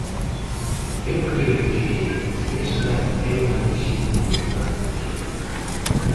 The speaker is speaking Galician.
Eu creo que esa é unha visión importante.